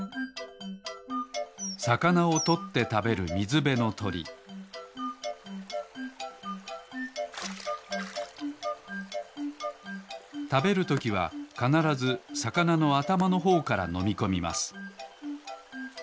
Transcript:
さかなをとってたべるみずべのとりたべるときはかならずさかなのあたまのほうからのみこみます。